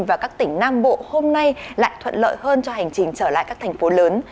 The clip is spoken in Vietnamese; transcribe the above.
và các tỉnh nam bộ hôm nay lại thuận lợi hơn cho hành trình trở lại các thành phố lớn